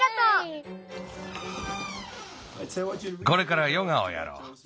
これからヨガをやろう。